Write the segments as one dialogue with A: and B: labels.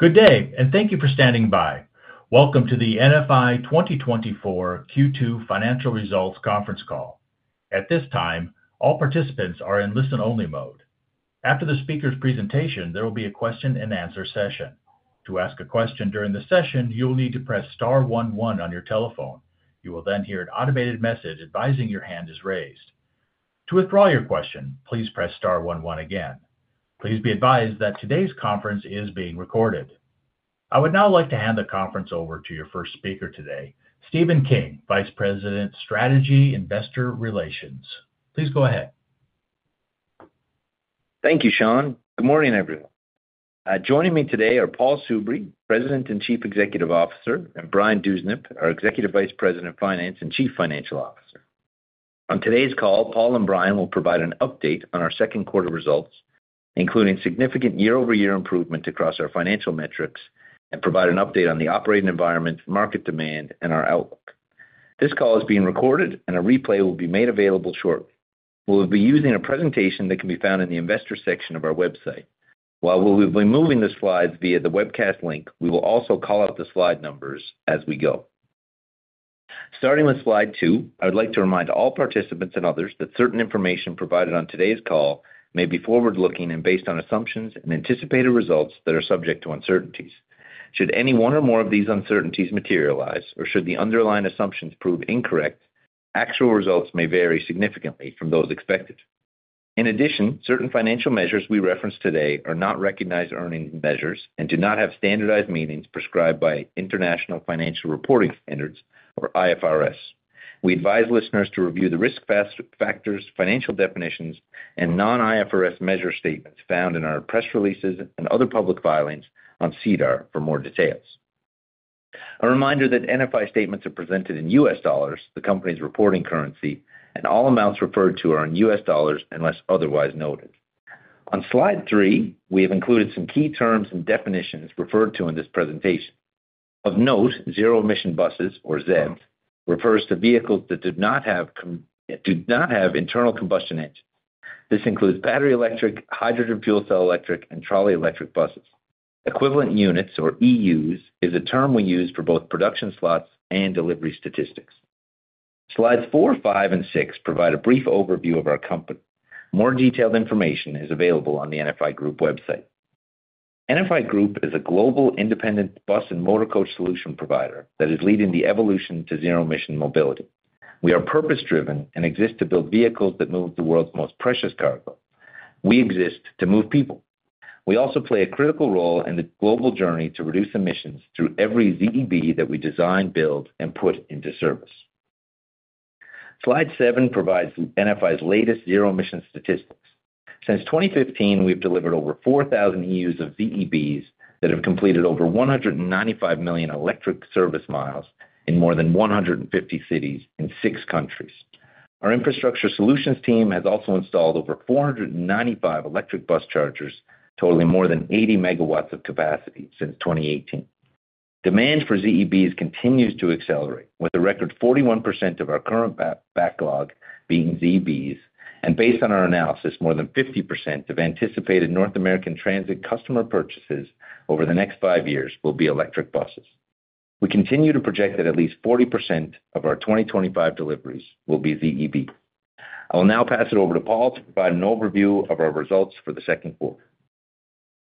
A: Good day, and thank you for standing by. Welcome to the NFI 2024 Q2 Financial Results conference call. At this time, all participants are in listen-only mode. After the speaker's presentation, there will be a question-and-answer session. To ask a question during the session, you will need to press star one one on your telephone. You will then hear an automated message advising your hand is raised. To withdraw your question, please press star one one again. Please be advised that today's conference is being recorded. I would now like to hand the conference over to your first speaker today, Stephen King, VP Strategy, Investor Relations. Please go ahead.
B: Thank you, Sean. Good morning, everyone. Joining me today are Paul Soubry, President and CEO, and Brian Dewsnup, our EVP of Finance and CFO. On today's call, Paul and Brian will provide an update on our second quarter results, including significant year-over-year improvement across our financial metrics, and provide an update on the operating environment, market demand, and our outlook. This call is being recorded, and a replay will be made available shortly. We will be using a presentation that can be found in the Investors section of our website. While we will be moving the slides via the webcast link, we will also call out the slide numbers as we go. Starting with Slide two, I would like to remind all participants and others that certain information provided on today's call may be forward-looking and based on assumptions and anticipated results that are subject to uncertainties. Should any one or more of these uncertainties materialize, or should the underlying assumptions prove incorrect, actual results may vary significantly from those expected. In addition, certain financial measures we reference today are not recognized earnings measures and do not have standardized meanings prescribed by International Financial Reporting Standards, or IFRS. We advise listeners to review the risk factors, financial definitions, and non-IFRS measure statements found in our press releases and other public filings on SEDAR for more details. A reminder that NFI statements are presented in U.S. dollars, the company's reporting currency, and all amounts referred to are in U.S. dollars unless otherwise noted. On Slide three, we have included some key terms and definitions referred to in this presentation. Of note, zero-emission buses, or ZEB, refers to vehicles that do not have internal combustion engines. This includes battery electric, hydrogen fuel cell electric, and trolley electric buses. Equivalent units, or EUs, is a term we use for both production slots and delivery statistics. Slides four, five, and six provide a brief overview of our company. More detailed information is available on the NFI Group website. NFI Group is a global independent bus and motor coach solution provider that is leading the evolution to zero-emission mobility. We are purpose-driven and exist to build vehicles that move the world's most precious cargo. We exist to move people. We also play a critical role in the global journey to reduce emissions through every ZEB that we design, build, and put into service. Slide seven provides NFI's latest zero-emission statistics. Since 2015, we've delivered over 4,000 EUs of ZEBs that have completed over 195 million electric service miles in more than 150 cities in six countries. Our infrastructure solutions team has also installed over 495 electric bus chargers, totaling more than 80 megawatts of capacity since 2018. Demand for ZEBs continues to accelerate, with a record 41% of our current backlog being ZEBs, and based on our analysis, more than 50% of anticipated North American transit customer purchases over the next five years will be electric buses. We continue to project that at least 40% of our 2025 deliveries will be ZEB. I will now pass it over to Paul to provide an overview of our results for the second quarter.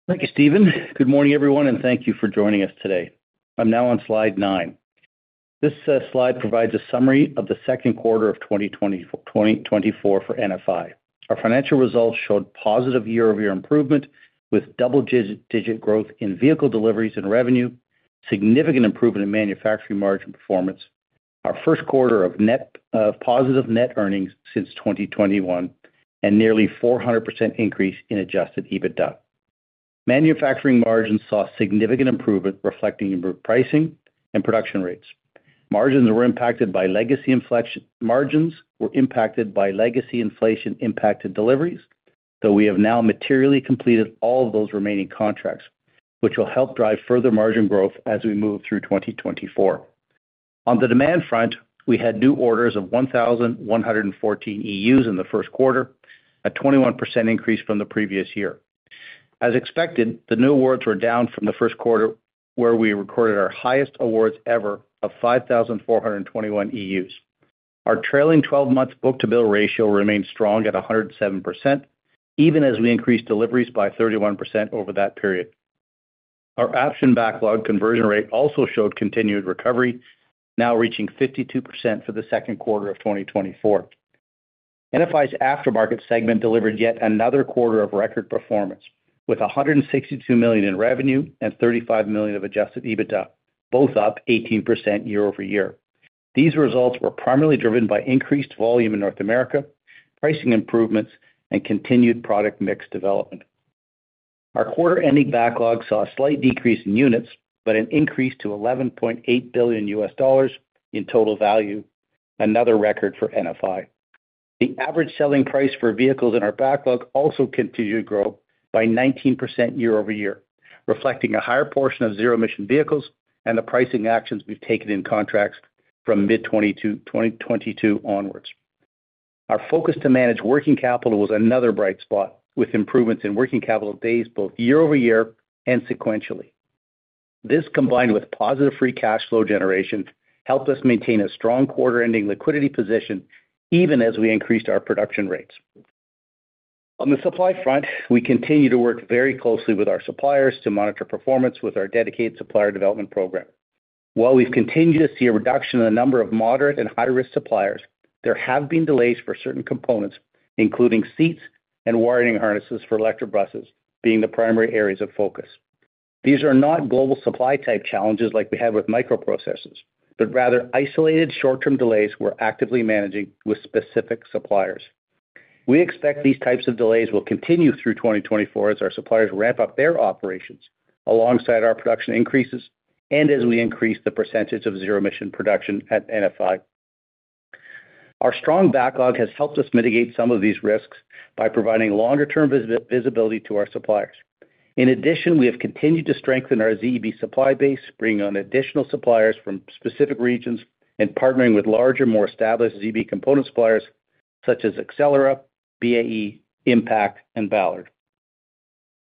C: Thank you, Stephen. Good morning, everyone, and thank you for joining us today. I'm now on Slide nine. This slide provides a summary of the second quarter of 2024, 2024 for NFI. Our financial results showed positive year-over-year improvement, with double-digit growth in vehicle deliveries and revenue, significant improvement in manufacturing margin performance, our first quarter of net, positive net earnings since 2021, and nearly 400% increase in Adjusted EBITDA. Manufacturing margins saw significant improvement, reflecting improved pricing and production rates. Margins were impacted by legacy inflation-impacted deliveries, though we have now materially completed all of those remaining contracts, which will help drive further margin growth as we move through 2024. On the demand front, we had new orders of 1,114 EUs in the first quarter, a 21% increase from the previous year. As expected, the new awards were down from the first quarter, where we recorded our highest awards ever of 5,421 EUs. Our trailing twelve months book-to-bill ratio remains strong at 107%, even as we increased deliveries by 31% over that period. Our option backlog conversion rate also showed continued recovery, now reaching 52% for the second quarter of 2024. NFI's aftermarket segment delivered yet another quarter of record performance, with $162 million in revenue and $35 million of adjusted EBITDA, both up 18% year-over-year. These results were primarily driven by increased volume in North America, pricing improvements, and continued product mix development. Our quarter-ending backlog saw a slight decrease in units, but an increase to $11.8 billion in total value, another record for NFI. The average selling price for vehicles in our backlog also continued to grow by 19% year-over-year, reflecting a higher portion of zero-emission vehicles and the pricing actions we've taken in contracts from mid-2022... 2022 onwards. Our focus to manage working capital was another bright spot, with improvements in working capital days both year-over-year and sequentially. This, combined with positive free cash flow generation, helped us maintain a strong quarter-ending liquidity position, even as we increased our production rates. On the supply front, we continue to work very closely with our suppliers to monitor performance with our dedicated supplier development program. While we've continued to see a reduction in the number of moderate and high-risk suppliers, there have been delays for certain components, including seats and wiring harnesses for electric buses, being the primary areas of focus. These are not global supply-type challenges like we had with microprocessors, but rather isolated, short-term delays we're actively managing with specific suppliers. We expect these types of delays will continue through 2024 as our suppliers ramp up their operations alongside our production increases and as we increase the percentage of zero-emission production at NFI. Our strong backlog has helped us mitigate some of these risks by providing longer-term visibility to our suppliers. In addition, we have continued to strengthen our ZEB supply base, bringing on additional suppliers from specific regions and partnering with larger, more established ZEB component suppliers such as Accelera, BAE, Impact, and Ballard.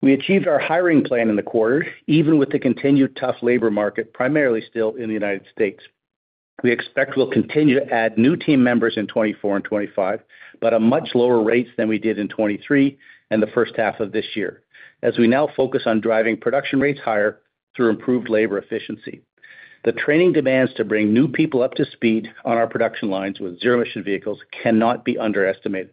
C: We achieved our hiring plan in the quarter, even with the continued tough labor market, primarily still in the United States. We expect we'll continue to add new team members in 2024 and 2025, but at much lower rates than we did in 2023 and the first half of this year, as we now focus on driving production rates higher through improved labor efficiency. The training demands to bring new people up to speed on our production lines with zero-emission vehicles cannot be underestimated.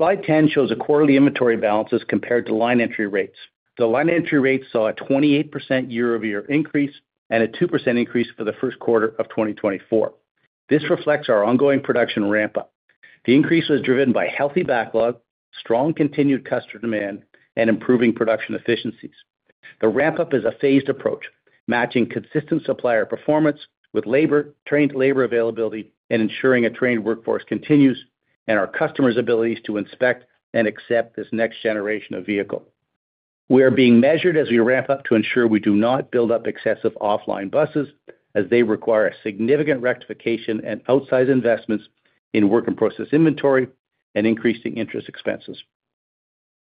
C: Slide 10 shows a quarterly inventory balances compared to line entry rates. The line entry rates saw a 28% year-over-year increase and a 2% increase for the first quarter of 2024. This reflects our ongoing production ramp-up. The increase was driven by healthy backlog, strong continued customer demand, and improving production efficiencies. The ramp-up is a phased approach, matching consistent supplier performance with labor-trained labor availability and ensuring a trained workforce continues and our customers' abilities to inspect and accept this next generation of vehicle. We are being measured as we ramp up to ensure we do not build up excessive offline buses, as they require a significant rectification and outsized investments in work and process inventory and increasing interest expenses.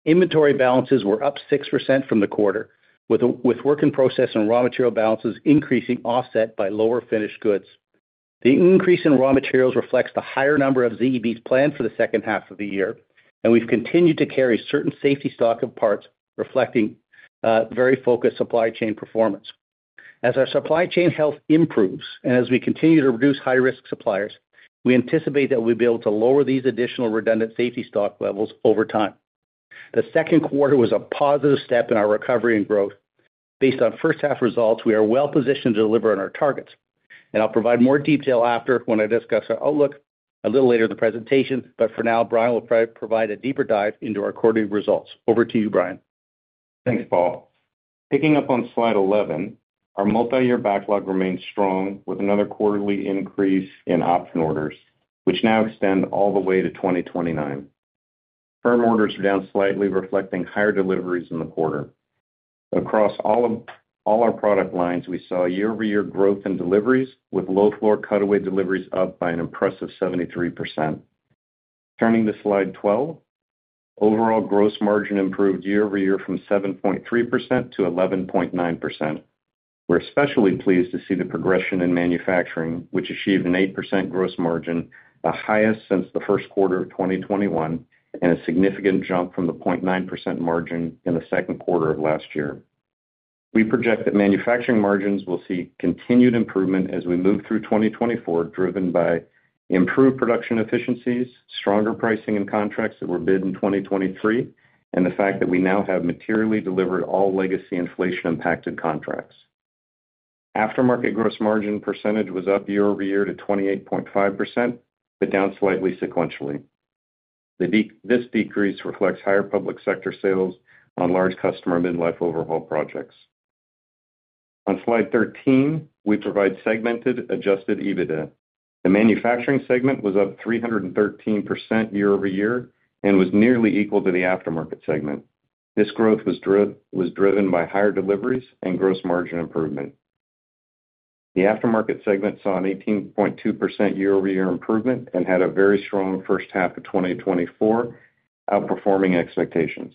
C: Inventory balances were up 6% from the quarter, with work in process and raw material balances increasing offset by lower finished goods. The increase in raw materials reflects the higher number of ZEBs planned for the second half of the year, and we've continued to carry certain safety stock of parts, reflecting very focused supply chain performance. As our supply chain health improves and as we continue to reduce high-risk suppliers, we anticipate that we'll be able to lower these additional redundant safety stock levels over time. The second quarter was a positive step in our recovery and growth. Based on first half results, we are well positioned to deliver on our targets, and I'll provide more detail after when I discuss our outlook a little later in the presentation. But for now, Brian will provide a deeper dive into our quarterly results. Over to you, Brian.
D: Thanks, Paul. Picking up on Slide 11, our multiyear backlog remains strong, with another quarterly increase in option orders, which now extend all the way to 2029. Firm orders are down slightly, reflecting higher deliveries in the quarter. Across all our product lines, we saw year-over-year growth in deliveries, with low-floor cutaway deliveries up by an impressive 73%. Turning to Slide 12, overall gross margin improved year-over-year from 7.3%-11.9%. We're especially pleased to see the progression in manufacturing, which achieved an 8% gross margin, the highest since the first quarter of 2021, and a significant jump from the 0.9% margin in the second quarter of last year. We project that manufacturing margins will see continued improvement as we move through 2024, driven by improved production efficiencies, stronger pricing and contracts that were bid in 2023, and the fact that we now have materially delivered all legacy inflation-impacted contracts. Aftermarket gross margin percentage was up year-over-year to 28.5%, but down slightly sequentially. This decrease reflects higher public sector sales on large customer midlife overhaul projects. On Slide 13, we provide segmented Adjusted EBITDA. The manufacturing segment was up 313% year-over-year and was nearly equal to the aftermarket segment. This growth was driven by higher deliveries and gross margin improvement. The aftermarket segment saw an 18.2% year-over-year improvement and had a very strong first half of 2024, outperforming expectations.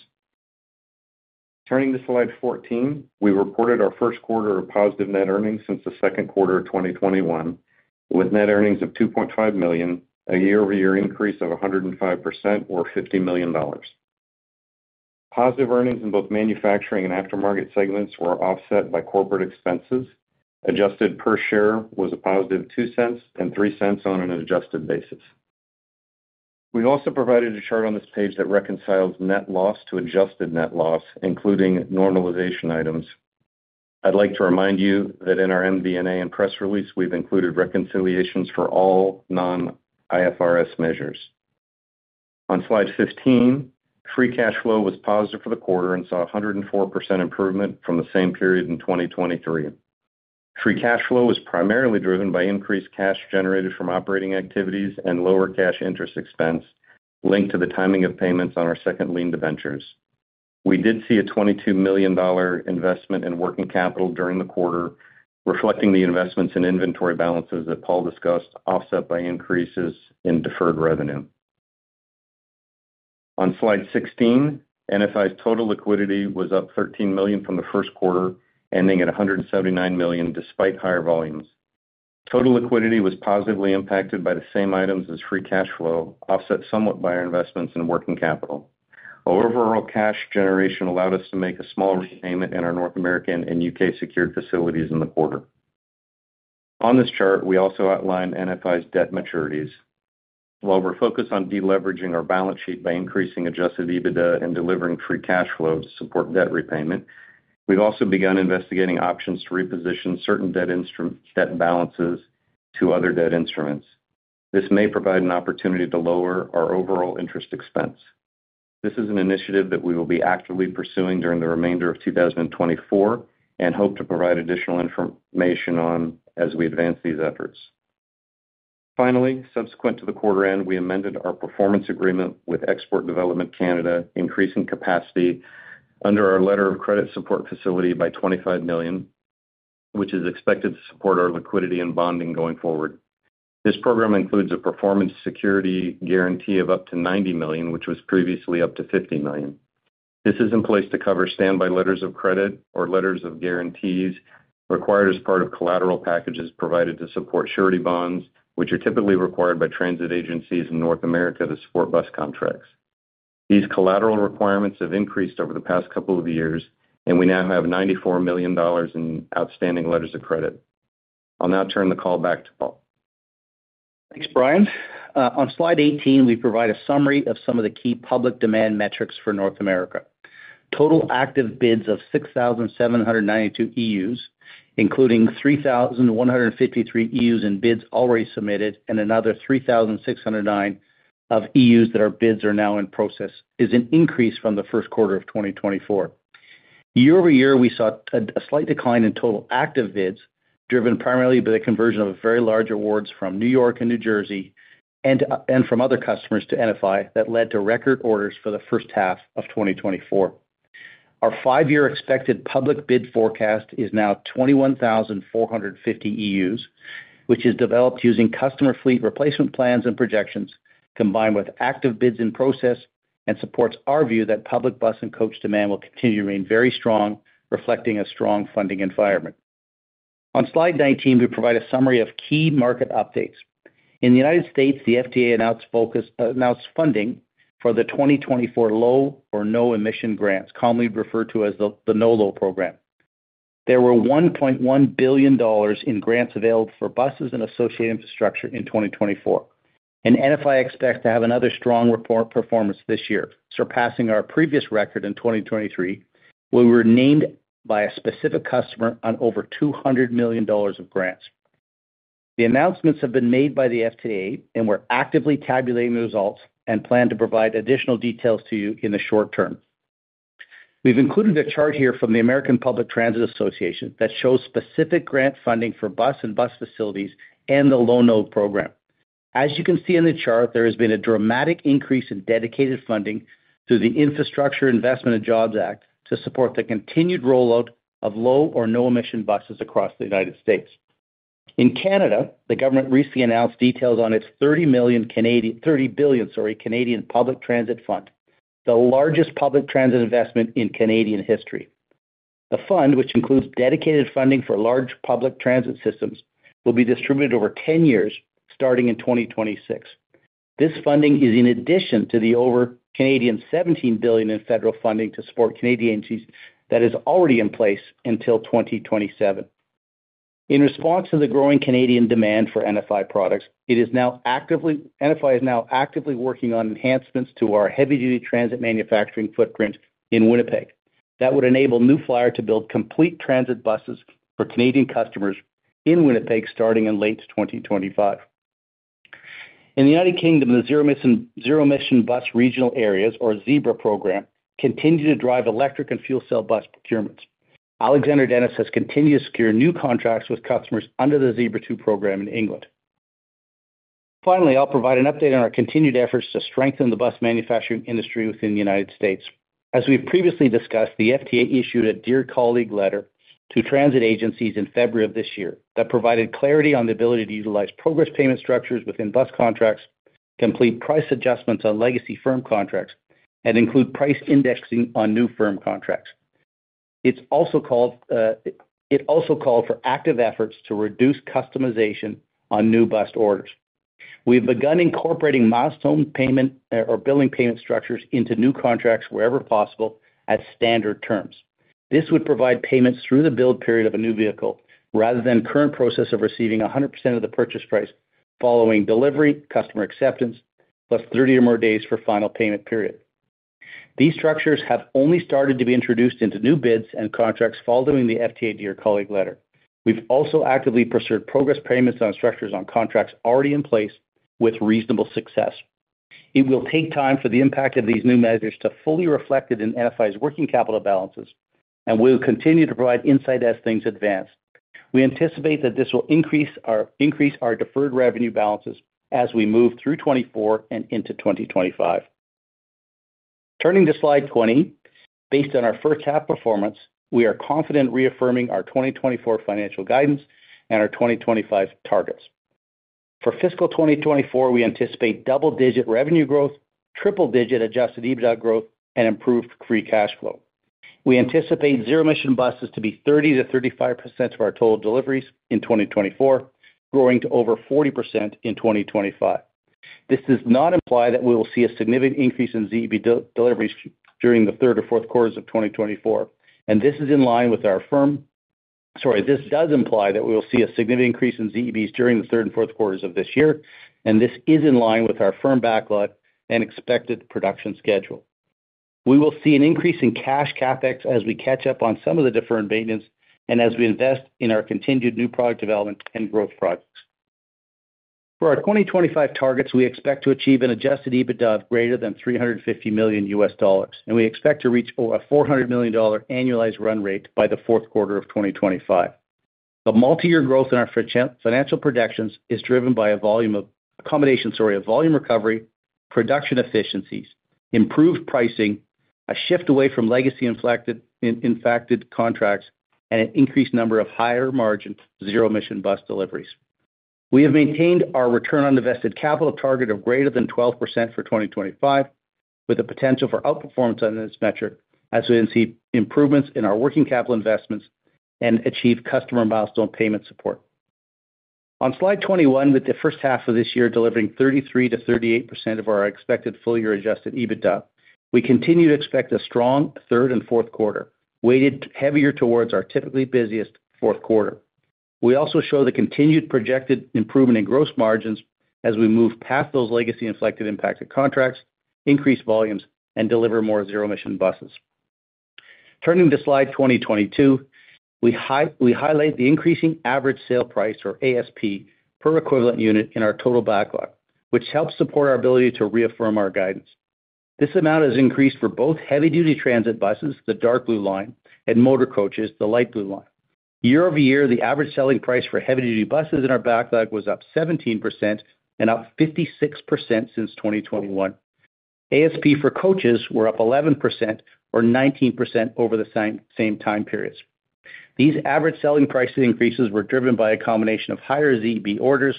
D: Turning to Slide 14, we reported our first quarter of positive net earnings since the second quarter of 2021, with net earnings of $2.5 million, a year-over-year increase of 105%, or $50 million. Positive earnings in both manufacturing and aftermarket segments were offset by corporate expenses. Adjusted per share was a positive $0.02 and $0.03 on an adjusted basis. We also provided a chart on this page that reconciles net loss to adjusted net loss, including normalization items. I'd like to remind you that in our MD&A and press release, we've included reconciliations for all non-IFRS measures. On Slide 15, free cash flow was positive for the quarter and saw 104% improvement from the same period in 2023. Free cash flow was primarily driven by increased cash generated from operating activities and lower cash interest expense linked to the timing of payments on our second lien debentures. We did see a $22 million investment in working capital during the quarter, reflecting the investments in inventory balances that Paul discussed, offset by increases in deferred revenue. On Slide 16, NFI's total liquidity was up $13 million from the first quarter, ending at $179 million, despite higher volumes. Total liquidity was positively impacted by the same items as free cash flow, offset somewhat by our investments in working capital. Our overall cash generation allowed us to make a small repayment in our North American and U.K. secured facilities in the quarter. On this chart, we also outline NFI's debt maturities. While we're focused on deleveraging our balance sheet by increasing Adjusted EBITDA and delivering free cash flow to support debt repayment, we've also begun investigating options to reposition certain debt balances to other debt instruments. This may provide an opportunity to lower our overall interest expense. This is an initiative that we will be actively pursuing during the remainder of 2024, and hope to provide additional information on as we advance these efforts. Finally, subsequent to the quarter end, we amended our performance agreement with Export Development Canada, increasing capacity under our letter of credit support facility by 25 million, which is expected to support our liquidity and bonding going forward. This program includes a performance security guarantee of up to 90 million, which was previously up to 50 million. This is in place to cover standby letters of credit or letters of guarantees required as part of collateral packages provided to support surety bonds, which are typically required by transit agencies in North America to support bus contracts. These collateral requirements have increased over the past couple of years, and we now have $94 million in outstanding letters of credit. I'll now turn the call back to Paul.
C: Thanks, Brian. On Slide 18, we provide a summary of some of the key public demand metrics for North America. Total active bids of 6,792 EUs, including 3,153 EUs in bids already submitted, and another 3,609 EUs that are bids are now in process, is an increase from the first quarter of 2024. Year-over-year, we saw a slight decline in total active bids, driven primarily by the conversion of very large awards from New York and New Jersey, and from other customers to NFI that led to record orders for the first half of 2024. Our five-year expected public bid forecast is now 21,450 EUs, which is developed using customer fleet replacement plans and projections, combined with active bids in process, and supports our view that public bus and coach demand will continue to remain very strong, reflecting a strong funding environment. On Slide 19, we provide a summary of key market updates. In the United States, the FTA announced funding for the 2024 Low or No Emission grants, commonly referred to as the Low-No program. There were $1.1 billion in grants available for buses and associated infrastructure in 2024, and NFI expects to have another strong report performance this year, surpassing our previous record in 2023, where we were named by a specific customer on over $200 million of grants. The announcements have been made by the FTA, and we're actively tabulating the results, and plan to provide additional details to you in the short term. We've included a chart here from the American Public Transit Association that shows specific grant funding for bus and bus facilities and the Low-No program. As you can see in the chart, there has been a dramatic increase in dedicated funding through the Infrastructure Investment and Jobs Act to support the continued rollout of low or no-emission buses across the United States. In Canada, the government recently announced details on its 30 million Canadian- 30 billion, sorry, Canadian Public Transit Fund, the largest public transit investment in Canadian history. The fund, which includes dedicated funding for large public transit systems, will be distributed over 10 years, starting in 2026. This funding is in addition to the over 17 billion Canadian dollars in federal funding to support Canadian agencies that is already in place until 2027. In response to the growing Canadian demand for NFI products, NFI is now actively working on enhancements to our heavy-duty transit manufacturing footprint in Winnipeg. That would enable New Flyer to build complete transit buses for Canadian customers in Winnipeg, starting in late 2025. In the United Kingdom, the Zero Emission Bus Regional Areas, or ZEBRA program, continue to drive electric and fuel cell bus procurements. Alexander Dennis has continued to secure new contracts with customers under the ZEBRA 2 program in England. Finally, I'll provide an update on our continued efforts to strengthen the bus manufacturing industry within the United States. As we've previously discussed, the FTA issued a Dear Colleague Letter to transit agencies in February of this year that provided clarity on the ability to utilize progress payment structures within bus contracts, complete price adjustments on legacy firm contracts, and include price indexing on new firm contracts. It also called for active efforts to reduce customization on new bus orders. We've begun incorporating milestone payment or billing payment structures into new contracts wherever possible at standard terms. This would provide payments through the build period of a new vehicle, rather than current process of receiving 100% of the purchase price following delivery, customer acceptance, plus thirty or more days for final payment period. These structures have only started to be introduced into new bids and contracts following the FTA Dear Colleague Letter. We've also actively pursued progress payments on structures on contracts already in place with reasonable success. It will take time for the impact of these new measures to fully reflected in NFI's working capital balances, and we'll continue to provide insight as things advance... We anticipate that this will increase our deferred revenue balances as we move through 2024 and into 2025. Turning to Slide 20, based on our first half performance, we are confident reaffirming our 2024 financial guidance and our 2025 targets. For fiscal 2024, we anticipate double-digit revenue growth, triple-digit Adjusted EBITDA growth, and improved free cash flow. We anticipate zero-emission buses to be 30%-35% of our total deliveries in 2024, growing to over 40% in 2025. This does not imply that we will see a significant increase in ZEB deliveries during the third or fourth quarters of 2024, and this is in line with our firm. Sorry, this does imply that we will see a significant increase in ZEBs during the third and fourth quarters of this year, and this is in line with our firm backlog and expected production schedule. We will see an increase in cash CapEx as we catch up on some of the deferred maintenance and as we invest in our continued new product development and growth projects. For our 2025 targets, we expect to achieve an Adjusted EBITDA of greater than $350 million, and we expect to reach over a $400 million annualized run rate by the fourth quarter of 2025. The multi-year growth in our financial projections is driven by a combination, sorry, of volume recovery, production efficiencies, improved pricing, a shift away from legacy-inflected impacted contracts, and an increased number of higher-margin zero-emission bus deliveries. We have maintained our return on invested capital target of greater than 12% for 2025, with the potential for outperformance on this metric as we then see improvements in our working capital investments and achieve customer milestone payment support. On Slide 21, with the first half of this year delivering 33%-38% of our expected full-year adjusted EBITDA, we continue to expect a strong third and fourth quarter, weighted heavier towards our typically busiest fourth quarter. We also show the continued projected improvement in gross margins as we move past those legacy-inflected impacted contracts, increase volumes, and deliver more zero-emission buses. Turning to Slide 22, we highlight the increasing average sale price, or ASP, per equivalent unit in our total backlog, which helps support our ability to reaffirm our guidance. This amount has increased for both heavy-duty transit buses, the dark blue line, and motor coaches, the light blue line. Year-over-year, the average selling price for heavy-duty buses in our backlog was up 17% and up 56% since 2021. ASP for coaches were up 11% or 19% over the same, same time periods. These average selling price increases were driven by a combination of higher ZEB orders,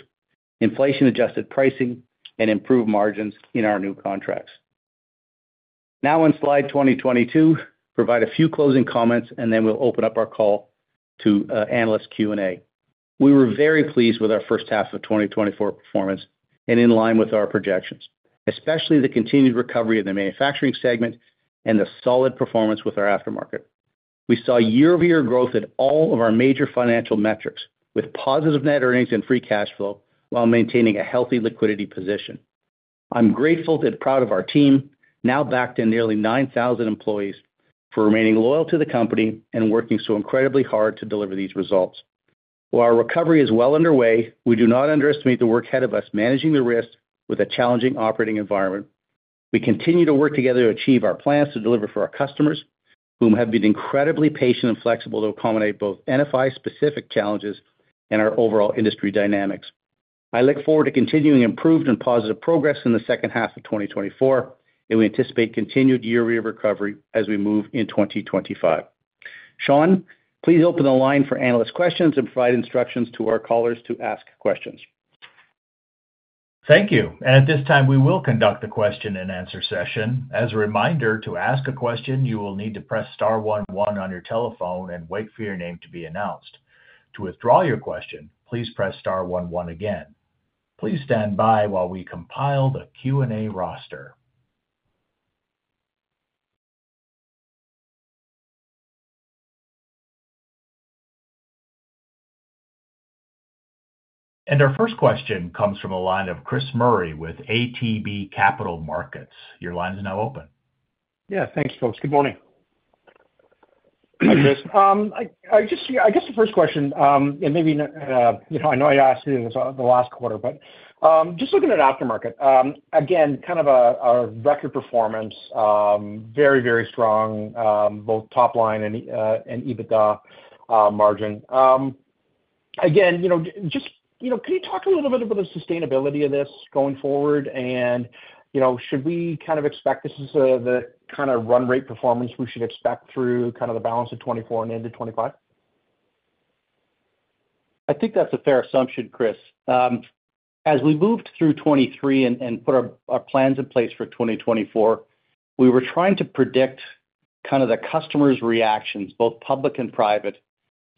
C: inflation-adjusted pricing, and improved margins in our new contracts. Now on Slide 22, provide a few closing comments, and then we'll open up our call to analyst Q&A. We were very pleased with our first half of 2024 performance and in line with our projections, especially the continued recovery of the manufacturing segment and the solid performance with our aftermarket. We saw year-over-year growth at all of our major financial metrics, with positive net earnings and free cash flow, while maintaining a healthy liquidity position. I'm grateful and proud of our team, now backed by nearly 9,000 employees, for remaining loyal to the company and working so incredibly hard to deliver these results. While our recovery is well underway, we do not underestimate the work ahead of us managing the risk with a challenging operating environment. We continue to work together to achieve our plans to deliver for our customers, whom have been incredibly patient and flexible to accommodate both NFI-specific challenges and our overall industry dynamics. I look forward to continuing improved and positive progress in the second half of 2024, and we anticipate continued year-over-year recovery as we move in 2025. Sean, please open the line for analyst questions and provide instructions to our callers to ask questions.
A: Thank you. And at this time, we will conduct a question-and-answer session. As a reminder, to ask a question, you will need to press star one one on your telephone and wait for your name to be announced. To withdraw your question, please press star one one again. Please stand by while we compile the Q&A roster. And our first question comes from a line of Chris Murray with ATB Capital Markets. Your line is now open.
E: Yeah, thanks, folks. Good morning.
C: Hi, Chris.
E: I guess the first question, and maybe you know, I know I asked you this the last quarter, but just looking at aftermarket. Again, kind of a record performance, very, very strong, both top line and EBITDA margin. Again, you know, just you know, can you talk a little bit about the sustainability of this going forward? And you know, should we kind of expect this is the kind of run rate performance we should expect through kind of the balance of 2024 and into 2025?
C: I think that's a fair assumption, Chris. As we moved through 2023 and put our plans in place for 2024, we were trying to predict kind of the customers' reactions, both public and private,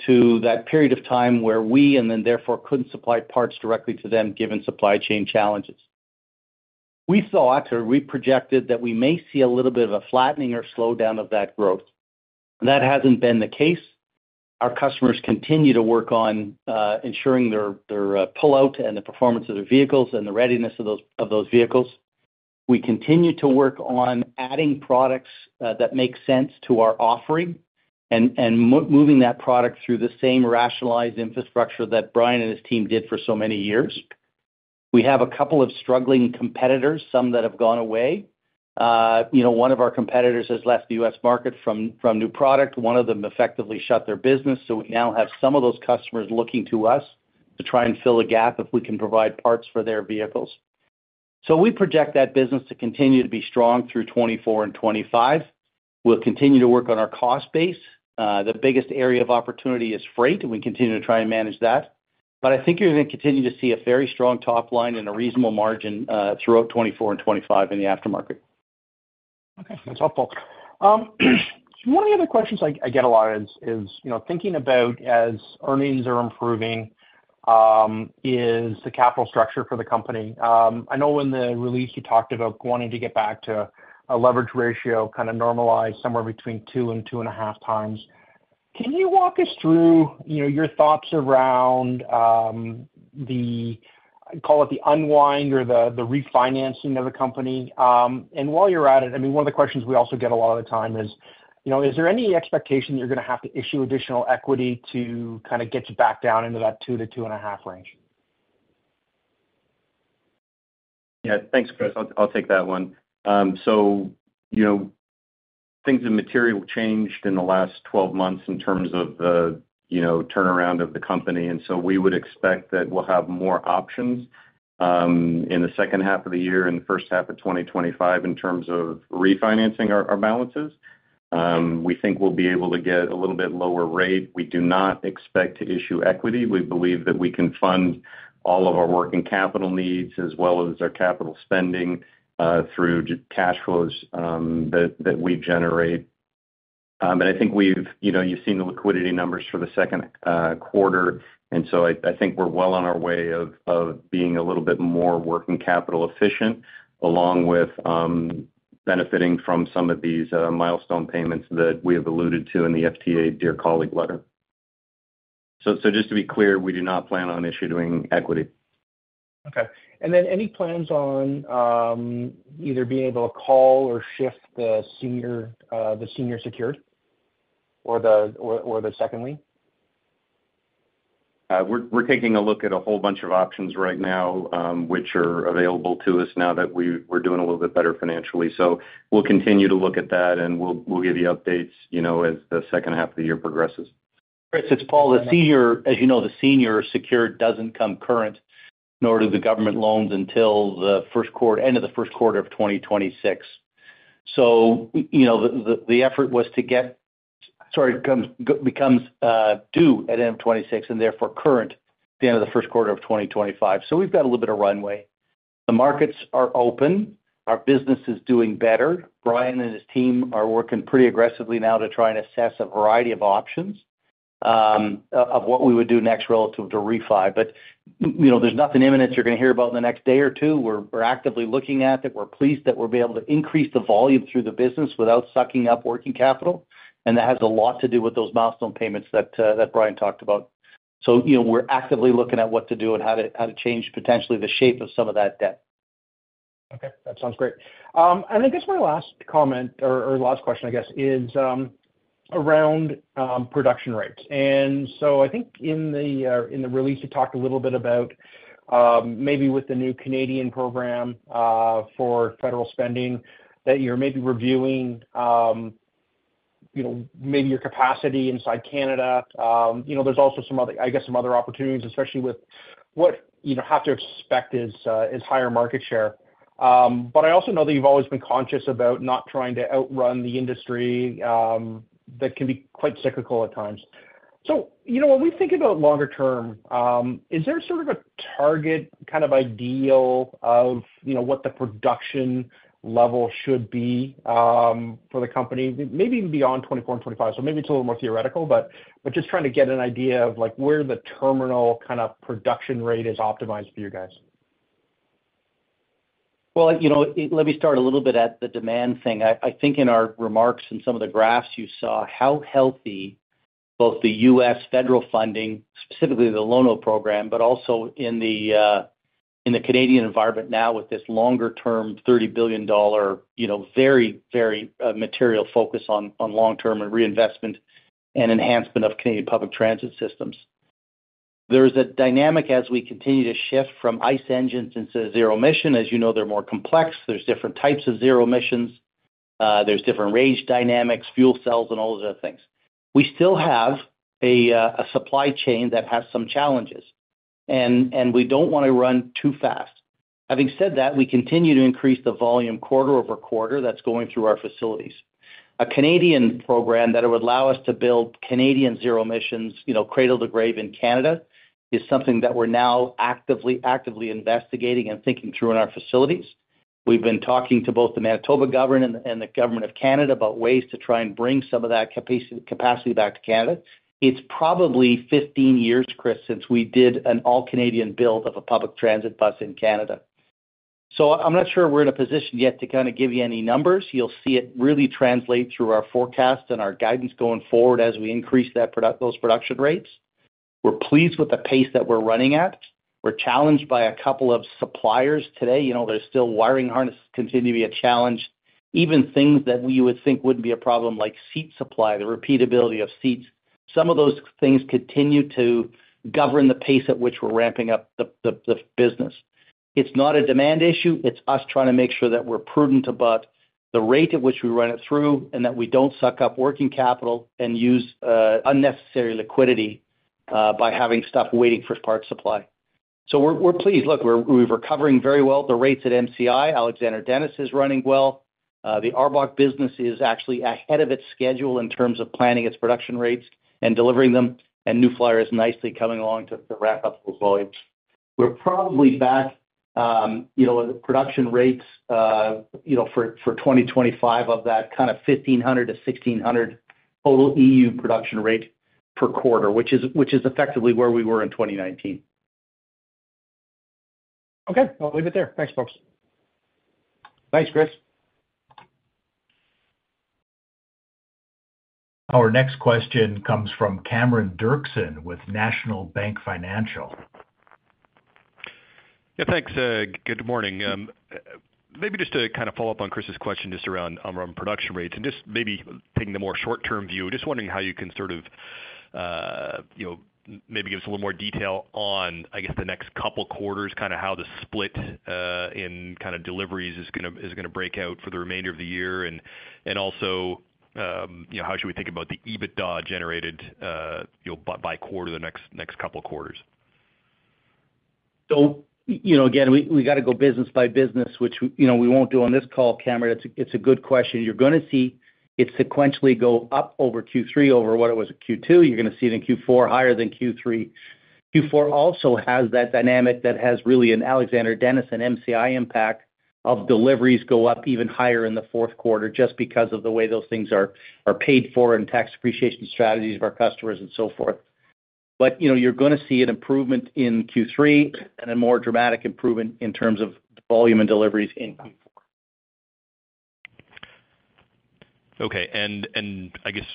C: to that period of time where we therefore couldn't supply parts directly to them, given supply chain challenges. We thought, or we projected, that we may see a little bit of a flattening or slowdown of that growth. That hasn't been the case. Our customers continue to work on ensuring their pull-out and the performance of their vehicles and the readiness of those vehicles. We continue to work on adding products that make sense to our offering and moving that product through the same rationalized infrastructure that Brian and his team did for so many years.... We have a couple of struggling competitors, some that have gone away. You know, one of our competitors has left the U.S. market from new product. One of them effectively shut their business, so we now have some of those customers looking to us to try and fill a gap if we can provide parts for their vehicles. So we project that business to continue to be strong through 2024 and 2025. We'll continue to work on our cost base. The biggest area of opportunity is freight, and we continue to try and manage that. But I think you're going to continue to see a very strong top line and a reasonable margin throughout 2024 and 2025 in the aftermarket.
E: Okay, that's helpful. One of the other questions I get a lot is, you know, thinking about as earnings are improving, is the capital structure for the company. I know in the release, you talked about wanting to get back to a leverage ratio, kind of normalized somewhere between two and 2.5 times. Can you walk us through, you know, your thoughts around, call it, the unwind or the refinancing of the company? And while you're at it, I mean, one of the questions we also get a lot of the time is, you know, is there any expectation you're gonna have to issue additional equity to kind of get you back down into that two to 2.5 range?
D: Yeah. Thanks, Chris. I'll, I'll take that one. So you know, things have materially changed in the last 12 months in terms of the, you know, turnaround of the company, and so we would expect that we'll have more options in the second half of the year and the first half of 2025 in terms of refinancing our, our balances. We think we'll be able to get a little bit lower rate. We do not expect to issue equity. We believe that we can fund all of our working capital needs as well as our capital spending through cash flows that, that we generate. But I think we've... You know, you've seen the liquidity numbers for the second quarter, and so I think we're well on our way of being a little bit more working capital efficient, along with benefiting from some of these milestone payments that we have alluded to in the FTA Dear Colleague Letter. So just to be clear, we do not plan on issuing equity.
E: Okay. And then any plans on either being able to call or shift the senior secured or the second lien?
D: We're taking a look at a whole bunch of options right now, which are available to us now that we're doing a little bit better financially. So we'll continue to look at that, and we'll give you updates, you know, as the second half of the year progresses.
C: Chris, it's Paul. The senior. As you know, the senior secured doesn't come current, nor do the government loans until the first quarter end of the first quarter of 2026. So, you know, the effort was to get. Sorry, comes, becomes due at end of 2026 and therefore current at the end of the first quarter of 2025. So we've got a little bit of runway. The markets are open. Our business is doing better. Brian and his team are working pretty aggressively now to try and assess a variety of options, of what we would do next relative to refi. But, you know, there's nothing imminent you're gonna hear about in the next day or two. We're actively looking at it. We're pleased that we'll be able to increase the volume through the business without sucking up working capital, and that has a lot to do with those milestone payments that Brian talked about. So, you know, we're actively looking at what to do and how to change, potentially, the shape of some of that debt.
E: Okay, that sounds great. And I guess my last comment or last question is around production rates. And so I think in the release, you talked a little bit about maybe with the new Canadian program for federal spending, that you're maybe reviewing, you know, maybe your capacity inside Canada. You know, there's also some other, I guess, some other opportunities, especially with what, you know, have to expect is higher market share. But I also know that you've always been conscious about not trying to outrun the industry that can be quite cyclical at times. So, you know, when we think about longer term, is there sort of a target kind of ideal of, you know, what the production level should be for the company? Maybe even beyond 2024 and 2025, so maybe it's a little more theoretical, but, but just trying to get an idea of, like, where the terminal kind of production rate is optimized for you guys.
C: Well, you know, let me start a little bit at the demand thing. I think in our remarks and some of the graphs you saw, how healthy both the U.S. federal funding, specifically the Low-No program, but also in the Canadian environment now with this longer-term, 30 billion dollar, you know, very, very material focus on long-term and reinvestment and enhancement of Canadian public transit systems. There's a dynamic as we continue to shift from ICE engines into zero-emission. As you know, they're more complex. There's different types of zero emissions. There's different range dynamics, fuel cells, and all those other things. We still have a supply chain that has some challenges, and we don't want to run too fast. Having said that, we continue to increase the volume quarter-over-quarter that's going through our facilities. A Canadian program that it would allow us to build Canadian zero emissions, you know, cradle to grave in Canada, is something that we're now actively, actively investigating and thinking through in our facilities. We've been talking to both the Manitoba government and the Government of Canada about ways to try and bring some of that capacity back to Canada. It's probably 15 years, Chris, since we did an all-Canadian build of a public transit bus in Canada. So I'm not sure we're in a position yet to kind of give you any numbers. You'll see it really translate through our forecast and our guidance going forward as we increase those production rates. We're pleased with the pace that we're running at. We're challenged by a couple of suppliers today. You know, there's still wiring harnesses continue to be a challenge. Even things that we would think wouldn't be a problem, like seat supply, the repeatability of seats, some of those things continue to govern the pace at which we're ramping up the business. It's not a demand issue, it's us trying to make sure that we're prudent about the rate at which we run it through, and that we don't suck up working capital and use unnecessary liquidity by having stuff waiting for parts supply. So we're pleased. Look, we're recovering very well the rates at MCI. Alexander Dennis is running well. The ARBOC business is actually ahead of its schedule in terms of planning its production rates and delivering them, and New Flyer is nicely coming along to wrap up those volumes. We're probably back, you know, production rates, you know, for 2025, of that kind of 1,500-1,600 total EU production rate per quarter, which is effectively where we were in 2019.
E: Okay, I'll leave it there. Thanks, folks.
C: Thanks, Chris.
A: Our next question comes from Cameron Doerksen with National Bank Financial.
F: Yeah, thanks. Good morning. Maybe just to kind of follow up on Chris's question, just around production rates, and just maybe taking the more short-term view. Just wondering how you can sort of, you know, maybe give us a little more detail on, I guess, the next couple quarters, kind of how the split in kind of deliveries is gonna break out for the remainder of the year. And also, you know, how should we think about the EBITDA generated, you know, by quarter the next couple quarters?
C: So, you know, again, we, we gotta go business by business, which, you know, we won't do on this call, Cameron. It's a, it's a good question. You're gonna see it sequentially go up over Q3, over what it was Q2. You're gonna see it in Q4, higher than Q3. Q4 also has that dynamic that has really an Alexander Dennis and MCI impact of deliveries go up even higher in the fourth quarter, just because of the way those things are paid for, and tax depreciation strategies of our customers and so forth. But, you know, you're gonna see an improvement in Q3, and a more dramatic improvement in terms of volume and deliveries in Q4.
F: Okay. And I guess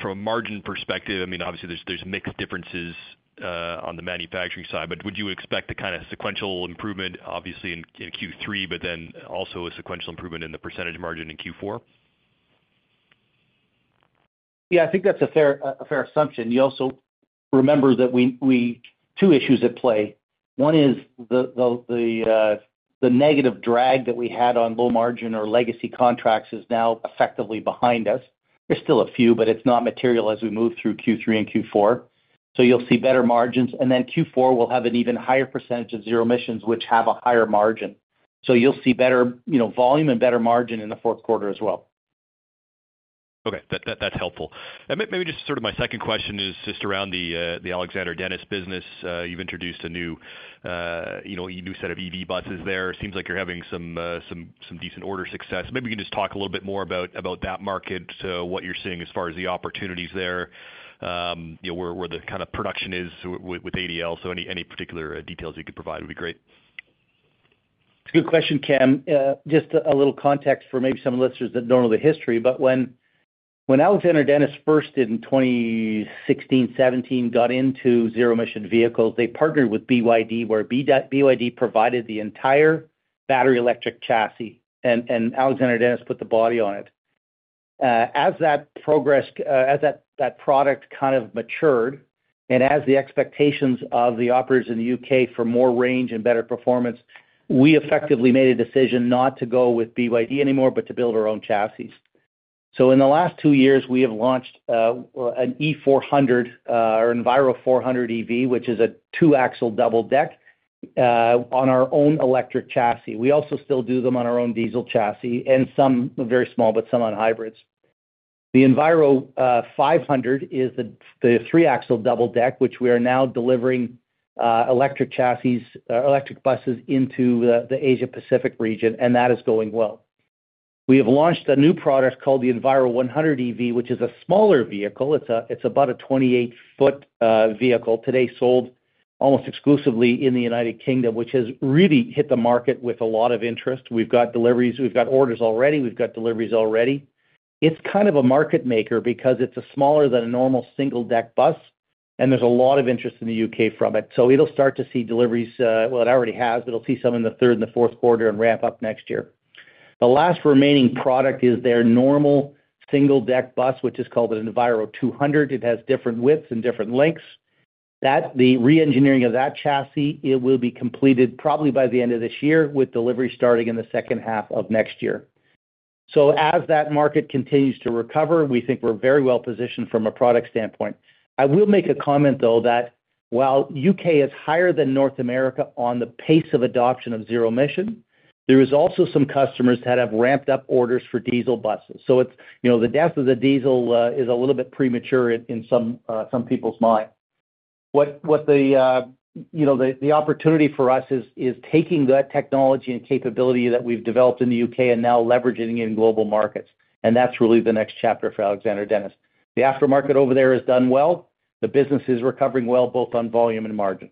F: from a margin perspective, I mean, obviously, there's mix differences on the manufacturing side, but would you expect the kind of sequential improvement, obviously in Q3, but then also a sequential improvement in the percentage margin in Q4?
C: Yeah, I think that's a fair, a fair assumption. You also remember that we -- two issues at play. One is the, the negative drag that we had on low margin or legacy contracts is now effectively behind us. There's still a few, but it's not material as we move through Q3 and Q4. So you'll see better margins, and then Q4 will have an even higher percentage of zero emissions, which have a higher margin. So you'll see better, you know, volume and better margin in the fourth quarter as well.
F: Okay, that's helpful. And maybe just sort of my second question is just around the Alexander Dennis business. You've introduced a new, you know, a new set of EV buses there. Seems like you're having some decent order success. Maybe you can just talk a little bit more about that market, so what you're seeing as far as the opportunities there, you know, where the kind of production is with ADL. So any particular details you could provide would be great.
C: It's a good question, Cam. Just a little context for maybe some listeners that don't know the history, but when Alexander Dennis first, in 2016, 2017, got into zero-emission vehicles, they partnered with BYD, where BYD provided the entire battery electric chassis, and Alexander Dennis put the body on it. As that product kind of matured, and as the expectations of the operators in the U.K. for more range and better performance, we effectively made a decision not to go with BYD anymore, but to build our own chassis. So in the last two years, we have launched an E400 or Enviro400EV, which is a two-axle double deck on our own electric chassis. We also still do them on our own diesel chassis, and some very small, but some on hybrids. The Enviro500 is the three-axle double deck, which we are now delivering electric chassis electric buses into the Asia Pacific region, and that is going well. We have launched a new product called the Enviro100EV, which is a smaller vehicle. It's a about a 28-foot vehicle today, sold almost exclusively in the United Kingdom, which has really hit the market with a lot of interest. We've got deliveries, we've got orders already, we've got deliveries already. It's kind of a market maker because it's a smaller than a normal single-deck bus, and there's a lot of interest in the U.K. from it, so it'll start to see deliveries... well, it already has, but it'll see some in the third and the fourth quarter and wrap up next year. The last remaining product is their normal single-deck bus, which is called an Enviro200. It has different widths and different lengths. That, the reengineering of that chassis, it will be completed probably by the end of this year, with delivery starting in the second half of next year. So as that market continues to recover, we think we're very well positioned from a product standpoint. I will make a comment, though, that while U.K. is higher than North America on the pace of adoption of zero-emission, there is also some customers that have ramped up orders for diesel buses. So it's, you know, the death of the diesel is a little bit premature in some people's mind. You know, the opportunity for us is, is taking that technology and capability that we've developed in the U.K. and now leveraging it in global markets, and that's really the next chapter for Alexander Dennis. The aftermarket over there has done well. The business is recovering well, both on volume and margin.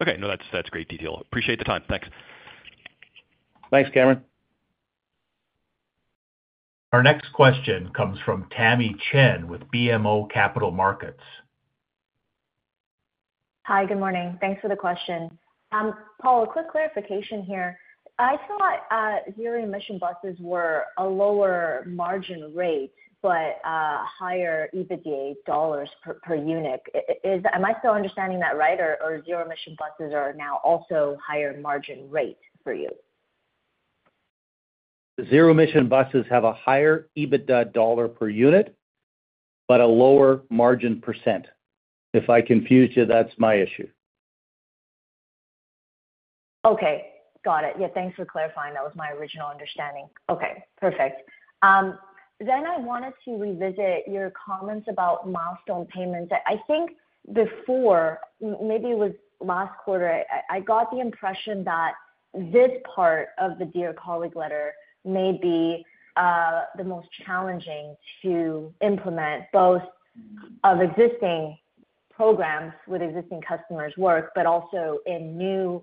F: Okay. No, that's, that's great detail. Appreciate the time. Thanks.
C: Thanks, Cameron.
A: Our next question comes from Tamy Chen with BMO Capital Markets....
G: Hi, good morning. Thanks for the question. Paul, a quick clarification here. I thought zero-emission buses were a lower margin rate, but higher EBITDA dollars per unit. Am I still understanding that right, or zero-emission buses are now also higher margin rate for you?
C: Zero-emission buses have a higher EBITDA dollar per unit, but a lower margin %. If I confused you, that's my issue.
G: Okay, got it. Yeah, thanks for clarifying. That was my original understanding. Okay, perfect. Then I wanted to revisit your comments about milestone payments. I think before, maybe it was last quarter, I got the impression that this part of the Dear Colleague Letter may be the most challenging to implement, both of existing programs with existing customers work, but also in new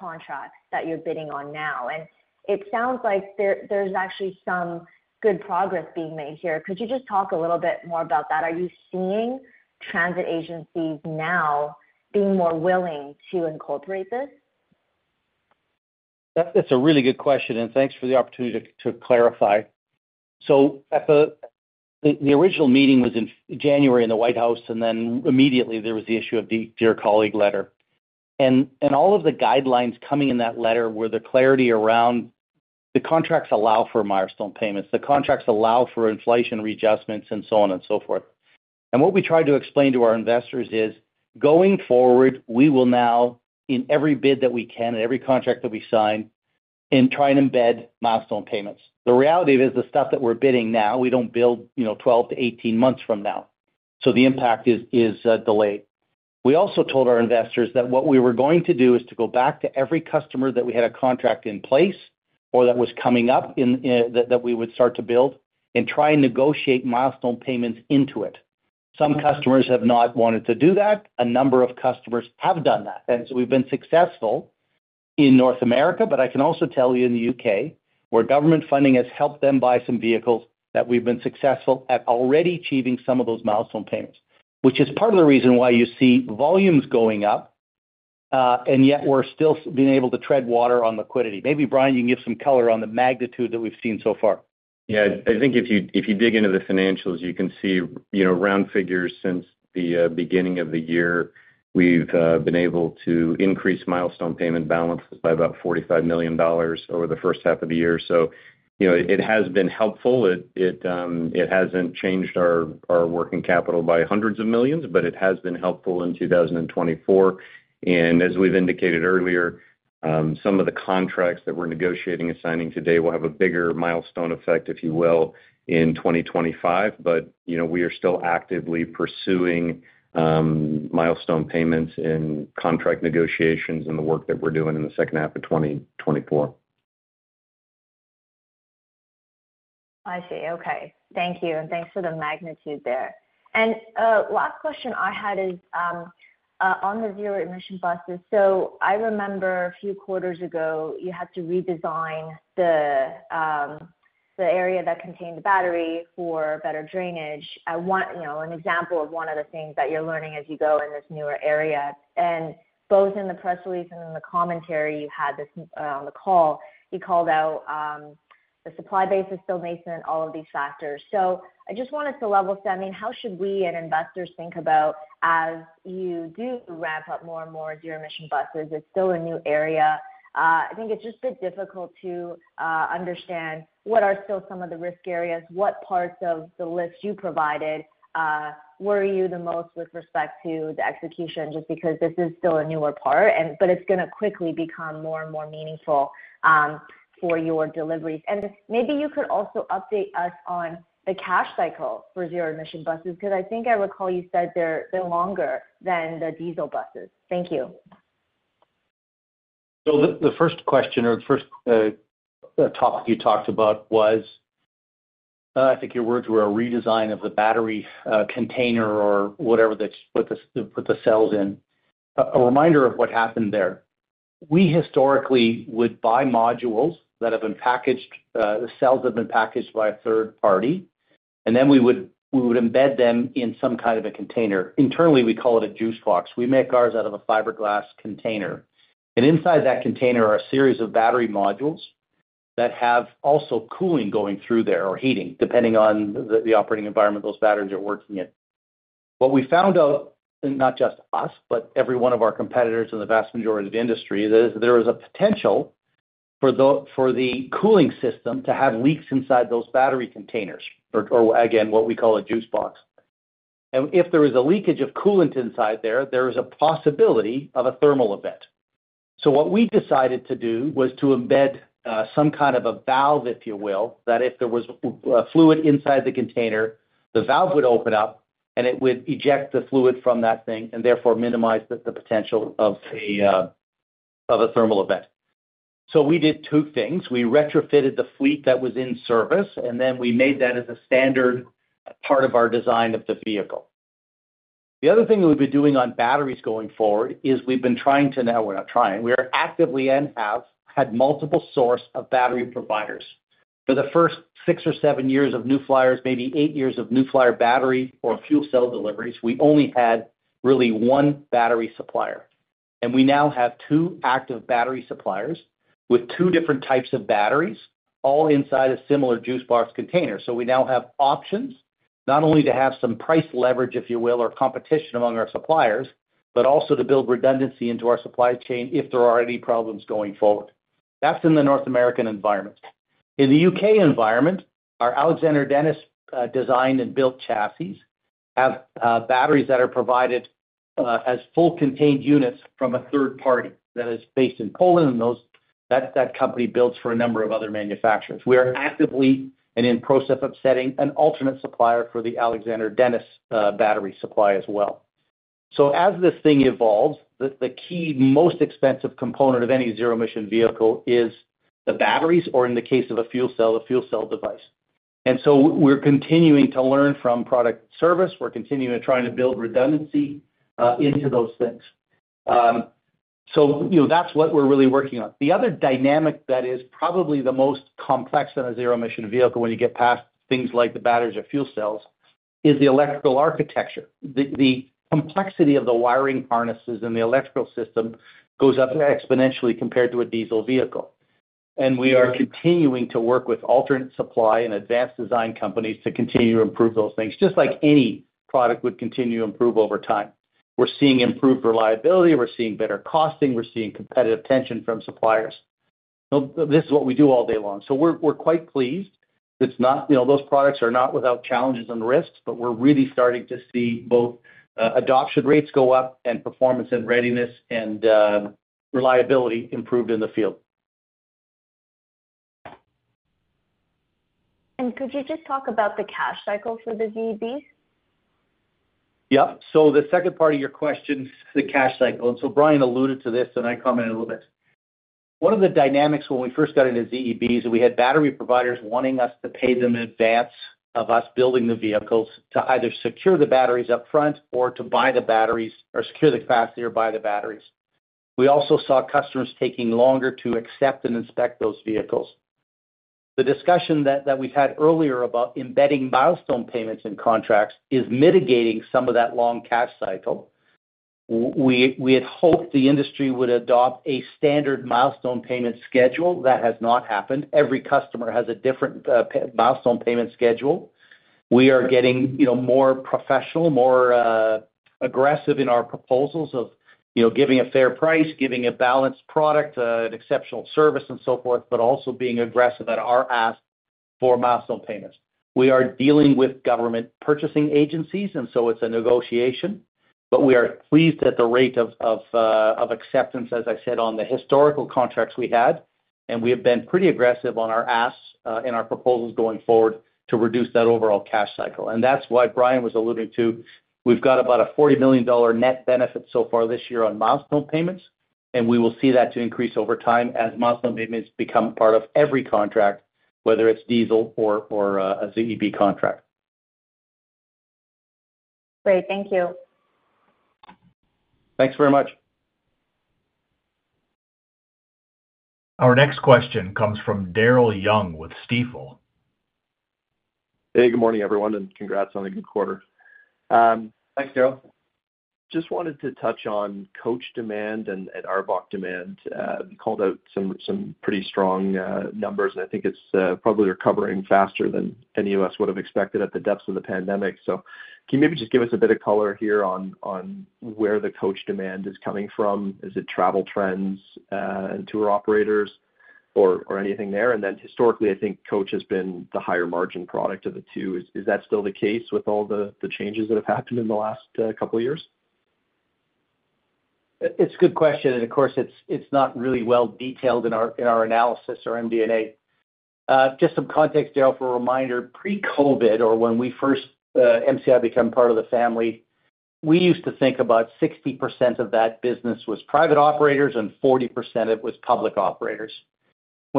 G: contracts that you're bidding on now. And it sounds like there's actually some good progress being made here. Could you just talk a little bit more about that? Are you seeing transit agencies now being more willing to incorporate this?
C: That's a really good question, and thanks for the opportunity to clarify. So at the original meeting was in January, in the White House, and then immediately there was the issue of the Dear Colleague Letter. And all of the guidelines coming in that letter were the clarity around the contracts allow for milestone payments, the contracts allow for inflation readjustments, and so on and so forth. And what we tried to explain to our investors is, going forward, we will now, in every bid that we can and every contract that we sign, and try and embed milestone payments. The reality is, the stuff that we're bidding now, we don't build, you know, 12 months-18 months from now, so the impact is delayed. We also told our investors that what we were going to do is to go back to every customer that we had a contract in place or that was coming up in, that, that we would start to build and try and negotiate milestone payments into it. Some customers have not wanted to do that. A number of customers have done that. And so we've been successful in North America, but I can also tell you in the U.K., where government funding has helped them buy some vehicles, that we've been successful at already achieving some of those milestone payments. Which is part of the reason why you see volumes going up, and yet we're still being able to tread water on liquidity. Maybe, Brian, you can give some color on the magnitude that we've seen so far.
D: Yeah. I think if you, if you dig into the financials, you can see, you know, round figures since the beginning of the year, we've been able to increase milestone payment balances by about $45 million over the first half of the year. So, you know, it has been helpful. It hasn't changed our working capital by $ hundreds of millions, but it has been helpful in 2024. And as we've indicated earlier, some of the contracts that we're negotiating and signing today will have a bigger milestone effect, if you will, in 2025. But, you know, we are still actively pursuing milestone payments and contract negotiations in the work that we're doing in the second half of 2024.
G: I see. Okay. Thank you, and thanks for the magnitude there. And last question I had is on the zero-emission buses. So I remember a few quarters ago, you had to redesign the area that contained the battery for better drainage. I want, you know, an example of one of the things that you're learning as you go in this newer area. And both in the press release and in the commentary, you had this on the call, you called out the supply base is still nascent, all of these factors. So I just wanted to level set. I mean, how should we and investors think about as you do ramp up more and more zero-emission buses? It's still a new area. I think it's just been difficult to understand what are still some of the risk areas, what parts of the list you provided worry you the most with respect to the execution, just because this is still a newer part and but it's gonna quickly become more and more meaningful for your deliveries. Maybe you could also update us on the cash cycle for zero-emission buses, 'cause I think I recall you said they're longer than the diesel buses. Thank you.
C: So the first question or the first topic you talked about was, I think your words were a redesign of the battery container or whatever that's put the cells in. A reminder of what happened there. We historically would buy modules that have been packaged, the cells have been packaged by a third party, and then we would embed them in some kind of a container. Internally, we call it a JuiceBox. We make ours out of a fiberglass container, and inside that container are a series of battery modules that have also cooling going through there, or heating, depending on the operating environment those batteries are working in. What we found out, and not just us, but every one of our competitors in the vast majority of the industry, that there is a potential for the cooling system to have leaks inside those battery containers or again, what we call a JuiceBox. And if there is a leakage of coolant inside there, there is a possibility of a thermal event. So what we decided to do was to embed some kind of a valve, if you will, that if there was a fluid inside the container, the valve would open up, and it would eject the fluid from that thing and therefore minimize the potential of a thermal event. So we did two things: We retrofitted the fleet that was in service, and then we made that as a standard part of our design of the vehicle. The other thing that we've been doing on batteries going forward is we are actively and have had multiple sources of battery providers for the first six or seven years of New Flyer, maybe eight years of New Flyer battery or fuel cell deliveries. We only had really one battery supplier. We now have two active battery suppliers with two different types of batteries, all inside a similar JuiceBox container. So we now have options, not only to have some price leverage, if you will, or competition among our suppliers, but also to build redundancy into our supply chain if there are any problems going forward. That's in the North American environment. In the U.K. environment, our Alexander Dennis designed and built chassis have batteries that are provided as full contained units from a third party that is based in Poland, and that company builds for a number of other manufacturers. We are actively and in process of setting an alternate supplier for the Alexander Dennis battery supply as well. So as this thing evolves, the key, most expensive component of any zero-emission vehicle is the batteries, or in the case of a fuel cell, the fuel cell device. And so we're continuing to learn from product service. We're continuing to try to build redundancy into those things. So, you know, that's what we're really working on. The other dynamic that is probably the most complex in a zero-emission vehicle, when you get past things like the batteries or fuel cells, is the electrical architecture. The complexity of the wiring harnesses and the electrical system goes up exponentially compared to a diesel vehicle. We are continuing to work with alternate supply and advanced design companies to continue to improve those things, just like any product would continue to improve over time. We're seeing improved reliability, we're seeing better costing, we're seeing competitive tension from suppliers. So this is what we do all day long. We're quite pleased. It's not, you know, those products are not without challenges and risks, but we're really starting to see both adoption rates go up and performance and readiness and reliability improved in the field.
G: Could you just talk about the cash cycle for the ZEB?
C: Yeah. So the second part of your question is the cash cycle, and so Brian alluded to this, and I comment a little bit. One of the dynamics when we first got into ZEBs is we had battery providers wanting us to pay them in advance of us building the vehicles to either secure the batteries up front or to buy the batteries or secure the capacity or buy the batteries. We also saw customers taking longer to accept and inspect those vehicles. The discussion that we've had earlier about embedding milestone payments in contracts is mitigating some of that long cash cycle. We, we had hoped the industry would adopt a standard milestone payment schedule. That has not happened. Every customer has a different milestone payment schedule. We are getting, you know, more professional, more aggressive in our proposals of, you know, giving a fair price, giving a balanced product, an exceptional service, and so forth, but also being aggressive at our ask for milestone payments. We are dealing with government purchasing agencies, and so it's a negotiation, but we are pleased at the rate of acceptance, as I said, on the historical contracts we had, and we have been pretty aggressive on our asks in our proposals going forward to reduce that overall cash cycle. And that's why Brian was alluding to, we've got about a $40 million net benefit so far this year on milestone payments, and we will see that to increase over time as milestone payments become part of every contract, whether it's diesel or a ZEB contract.
G: Great. Thank you.
C: Thanks very much.
A: Our next question comes from Daryl Young with Stifel.
H: Hey, good morning, everyone, and congrats on a good quarter.
C: Thanks, Daryl.
H: Just wanted to touch on coach demand and ARBOC demand. You called out some pretty strong numbers, and I think it's probably recovering faster than any of us would have expected at the depths of the pandemic. So can you maybe just give us a bit of color here on where the coach demand is coming from? Is it travel trends and tour operators or anything there? And then historically, I think coach has been the higher margin product of the two. Is that still the case with all the changes that have happened in the last couple of years?
C: It's a good question, and of course, it's, it's not really well detailed in our, in our analysis or MD&A. Just some context, Daryl, for a reminder, pre-COVID or when we first, MCI became part of the family, we used to think about 60% of that business was private operators and 40% of it was public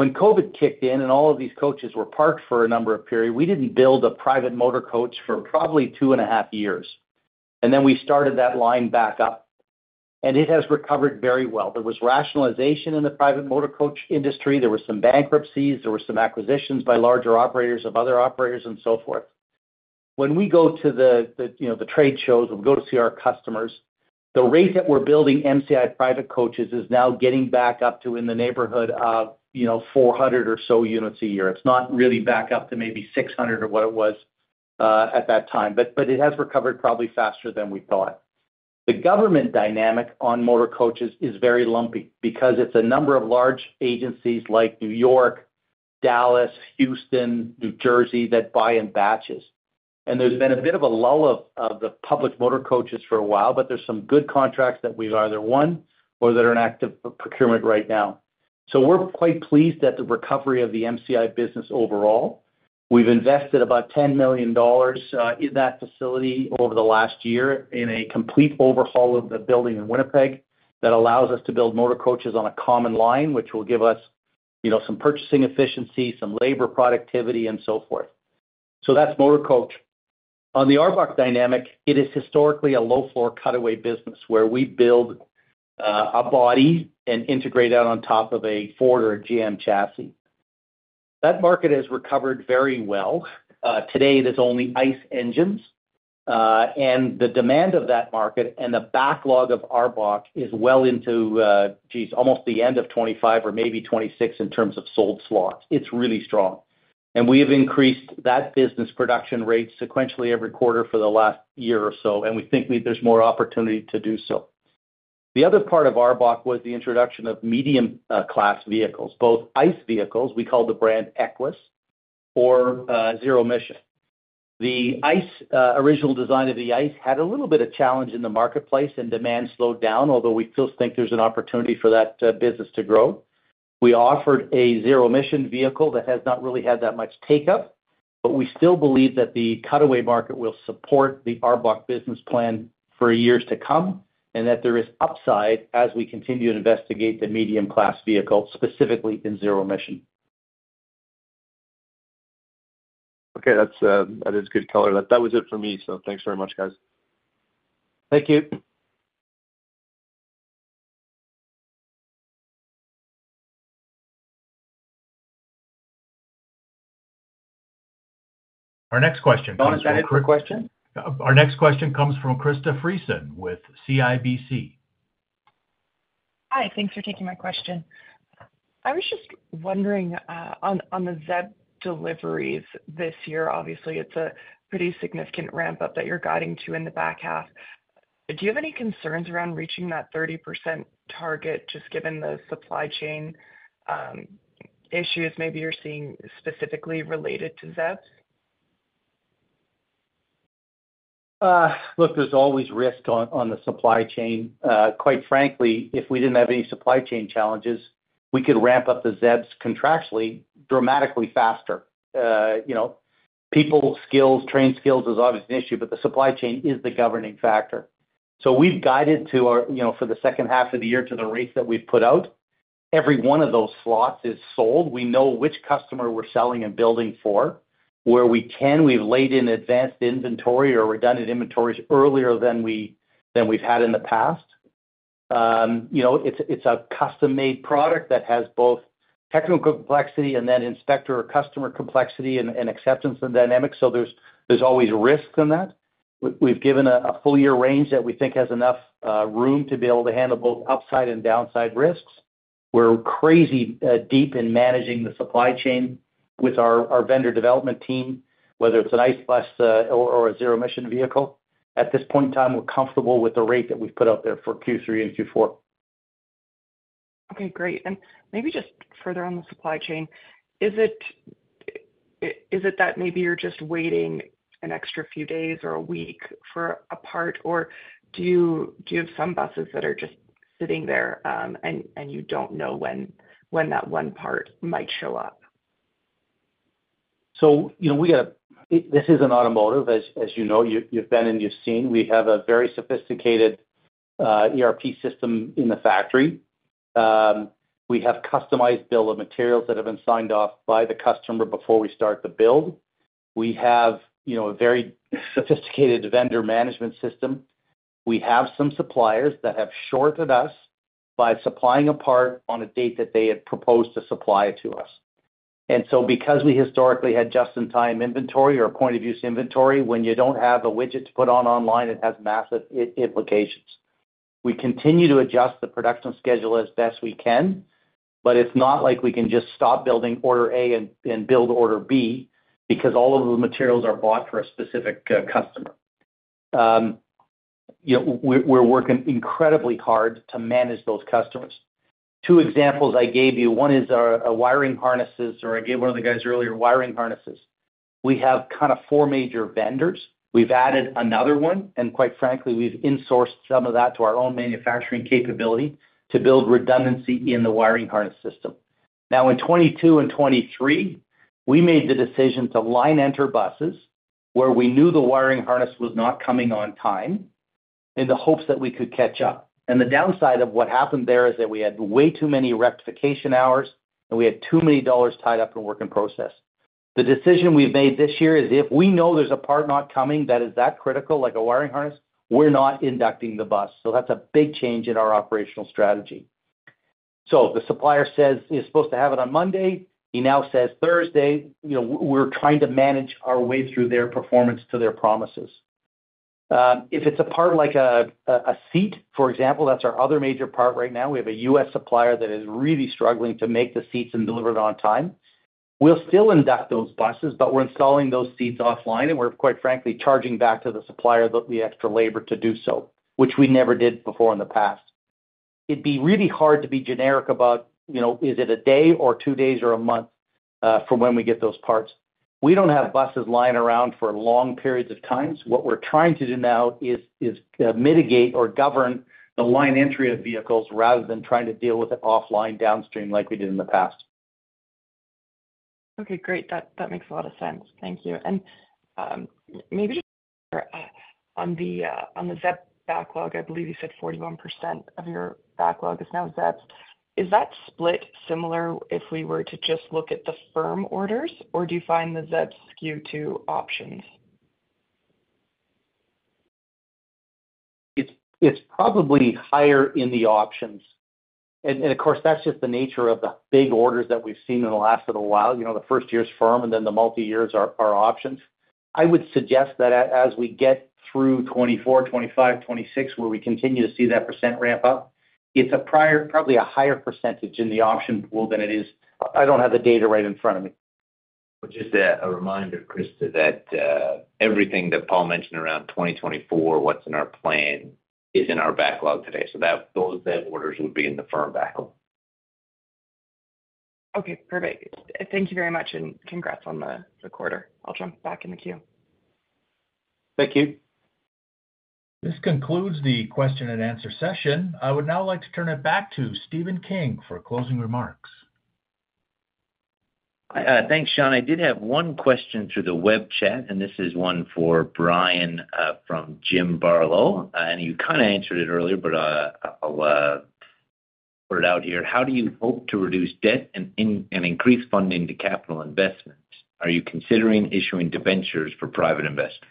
C: operators. When COVID kicked in and all of these coaches were parked for a number of period, we didn't build a private motor coach for probably two and a half years, and then we started that line back up, and it has recovered very well. There was rationalization in the private motor coach industry. There were some bankruptcies, there were some acquisitions by larger operators of other operators, and so forth. When we go to the you know the trade shows and go to see our customers, the rate that we're building MCI private coaches is now getting back up to in the neighborhood of you know 400 or so units a year. It's not really back up to maybe 600 or what it was at that time, but it has recovered probably faster than we thought. The government dynamic on motor coaches is very lumpy because it's a number of large agencies like New York, Dallas, Houston, New Jersey, that buy in batches. There's been a bit of a lull of the public motor coaches for a while, but there's some good contracts that we've either won or that are in active procurement right now. We're quite pleased at the recovery of the MCI business overall. We've invested about $10 million in that facility over the last year in a complete overhaul of the building in Winnipeg that allows us to build motor coaches on a common line, which will give us, you know, some purchasing efficiency, some labor productivity, and so forth. So that's motor coach. On the ARBOC dynamic, it is historically a low-floor cutaway business, where we build a body and integrate that on top of a Ford or a GM chassis. That market has recovered very well. Today, there's only ICE engines, and the demand of that market and the backlog of ARBOC is well into, geez, almost the end of 2025 or maybe 2026 in terms of sold slots. It's really strong. We've increased that business production rate sequentially every quarter for the last year or so, and we think there's more opportunity to do so. The other part of ARBOC was the introduction of medium class vehicles, both ICE vehicles, we call the brand Equess, or zero emission. The ICE original design of the ICE had a little bit of challenge in the marketplace, and demand slowed down, although we still think there's an opportunity for that business to grow. We offered a zero emission vehicle that has not really had that much take up, but we still believe that the cutaway market will support the ARBOC business plan for years to come, and that there is upside as we continue to investigate the medium class vehicle, specifically in zero emission.
H: Okay, that's, that is good color. That, that was it for me, so thanks very much, guys.
C: Thank you.
A: Our next question comes from-
C: Jonathan, quick question?
A: Our next question comes from Krista Friesen with CIBC.
I: Hi, thanks for taking my question. I was just wondering, on, on the ZEB deliveries this year, obviously, it's a pretty significant ramp-up that you're guiding to in the back half. Do you have any concerns around reaching that 30% target, just given the supply chain, issues maybe you're seeing specifically related to ZEBs?
C: Look, there's always risk on, on the supply chain. Quite frankly, if we didn't have any supply chain challenges, we could ramp up the ZEBs contractually, dramatically faster. You know, people skills, trained skills is obviously an issue, but the supply chain is the governing factor. So we've guided to our, you know, for the second half of the year to the rates that we've put out, every one of those slots is sold. We know which customer we're selling and building for. Where we can, we've laid in advanced inventory or redundant inventories earlier than we, than we've had in the past. You know, it's, it's a custom-made product that has both technical complexity and then inspector or customer complexity and, and acceptance and dynamics, so there's, there's always risk in that. We've given a full year range that we think has enough room to be able to handle both upside and downside risks. We're crazy deep in managing the supply chain with our vendor development team, whether it's an ICE bus or a zero emission vehicle. At this point in time, we're comfortable with the rate that we've put out there for Q3 and Q4.
I: Okay, great. And maybe just further on the supply chain, is it that maybe you're just waiting an extra few days or a week for a part, or do you have some buses that are just sitting there, and you don't know when that one part might show up?
C: So, you know, we got this is an automotive, as you know, you've been and you've seen. We have a very sophisticated ERP system in the factory. We have customized bill of materials that have been signed off by the customer before we start the build. We have, you know, a very sophisticated vendor management system. We have some suppliers that have shorted us by supplying a part on a date that they had proposed to supply it to us. And so because we historically had just-in-time inventory or point-of-use inventory, when you don't have a widget to put on online, it has massive implications. We continue to adjust the production schedule as best we can, but it's not like we can just stop building order A and build order B, because all of the materials are bought for a specific customer. You know, we're working incredibly hard to manage those customers. Two examples I gave you, one is our wiring harnesses, or I gave one of the guys earlier, wiring harnesses. We have kind of four major vendors. We've added another one, and quite frankly, we've insourced some of that to our own manufacturing capability to build redundancy in the wiring harness system. Now, in 2022 and 2023, we made the decision to line enter buses, where we knew the wiring harness was not coming on time, in the hopes that we could catch up. The downside of what happened there is that we had way too many rectification hours, and we had too many dollars tied up in work in process. The decision we've made this year is, if we know there's a part not coming that is that critical, like a wiring harness, we're not inducting the bus. So that's a big change in our operational strategy. So the supplier says he's supposed to have it on Monday, he now says Thursday, you know, we're trying to manage our way through their performance to their promises. If it's a part like a seat, for example, that's our other major part right now, we have a U.S. supplier that is really struggling to make the seats and deliver it on time. We'll still induct those buses, but we're installing those seats offline, and we're quite frankly, charging back to the supplier the extra labor to do so, which we never did before in the past. It'd be really hard to be generic about, you know, is it a day or two days or a month from when we get those parts? We don't have buses lying around for long periods of times. What we're trying to do now is mitigate or govern the line entry of vehicles, rather than trying to deal with it offline downstream like we did in the past.
I: Okay, great. That, that makes a lot of sense. Thank you. And, on the ZEBs backlog, I believe you said 41% of your backlog is now ZEBs. Is that split similar if we were to just look at the firm orders, or do you find the ZEBs skew to options?
C: It's probably higher in the options. And of course, that's just the nature of the big orders that we've seen in the last little while. You know, the first year's firm, and then the multi-years are options. I would suggest that as we get through 2024, 2025, 2026, where we continue to see that percent ramp up, it's probably a higher percentage in the option pool than it is... I don't have the data right in front of me.
B: Well, just a reminder, Krista, that everything that Paul mentioned around 2024, what's in our plan, is in our backlog today, so that those ZEB orders would be in the firm backlog.
I: Okay, perfect. Thank you very much, and congrats on the, the quarter. I'll jump back in the queue.
C: Thank you.
A: This concludes the question and answer session. I would now like to turn it back to Stephen King for closing remarks.
B: Thanks, Sean. I did have one question through the web chat, and this is one for Brian, from Jim Barlow. You kind of answered it earlier, but I'll put it out here: How do you hope to reduce debt and increase funding to capital investments? Are you considering issuing debentures for private investors?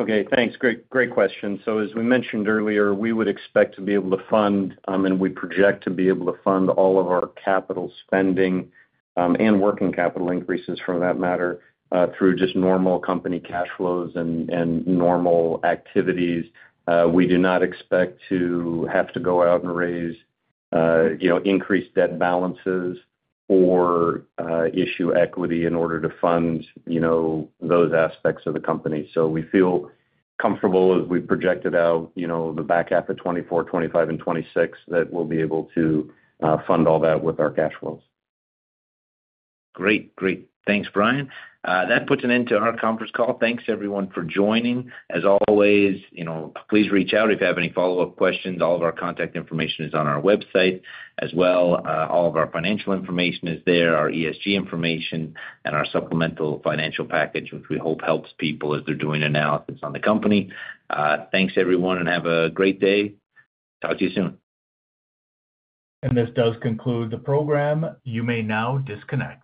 D: Okay, thanks. Great, great question. So as we mentioned earlier, we would expect to be able to fund, and we project to be able to fund all of our capital spending, and working capital increases for that matter, through just normal company cash flows and, and normal activities. We do not expect to have to go out and raise, you know, increase debt balances or, issue equity in order to fund, you know, those aspects of the company. So we feel comfortable as we've projected out, you know, the back half of 2024, 2025, and 2026, that we'll be able to, fund all that with our cash flows.
B: Great, great. Thanks, Brian. That puts an end to our conference call. Thanks, everyone, for joining. As always, you know, please reach out if you have any follow-up questions. All of our contact information is on our website as well. All of our financial information is there, our ESG information, and our supplemental financial package, which we hope helps people as they're doing analysis on the company. Thanks, everyone, and have a great day. Talk to you soon.
A: This does conclude the program. You may now disconnect.